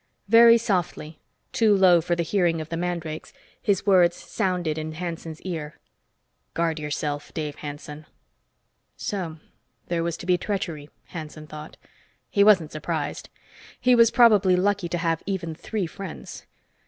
Very softly, too low for the hearing of the mandrakes, his words sounded in Hanson's ear. "Guard yourself, Dave Hanson!" So there was to be treachery, Hanson thought. He wasn't surprised. He was probably lucky to have even three friends.